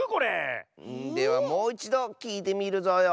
ではもういちどきいてみるぞよ。